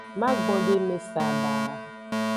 Magbondeme saba.